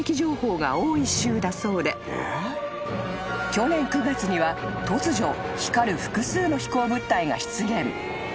［去年９月には突如光る複数の飛行物体が出現］